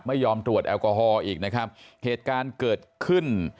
ไม่ยอมตรวจแอลกอฮอล์อีกนะครับเหตุการณ์เกิดขึ้น